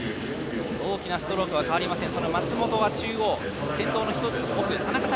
大きなストロークは変わりません。